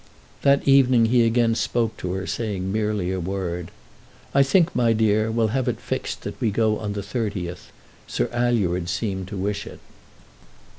That evening he again spoke to her, saying merely a word. "I think, my dear, we'll have it fixed that we go on the 30th. Sir Alured seemed to wish it."